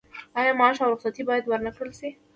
آیا معاش او رخصتي باید ورنکړل شي؟